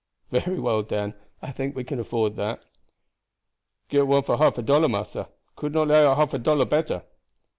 "Very well, Dan; I think we can afford that." "Get one for half a dollar, massa. Could not lay out half a dollar better."